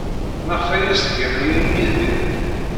Maɣef ay as-tgam aya i Yidir?